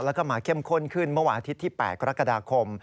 แล้วก็มาเข้มข้นขึ้นเมื่อวานอาทิตย์ที่๘กรกฎาคม